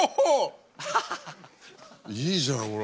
いいじゃんほら。